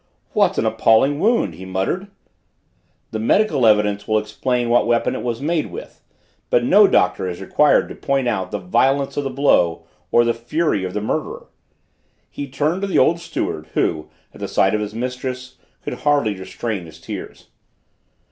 "What an appalling wound!" he muttered. "The medical evidence will explain what weapon it was made with; but no doctor is required to point out the violence of the blow or the fury of the murderer." He turned to the old steward who, at sight of his mistress, could hardly restrain his tears.